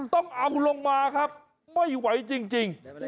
ต้องเอาลงมาครับไม่ไหวจริง